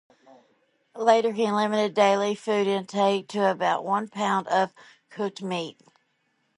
Later he limited daily food intake to about one pound of cooked meat.